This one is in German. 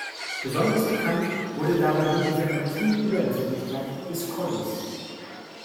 Besonders bekannt wurde dabei die Ivermectin-Überempfindlichkeit der Collies.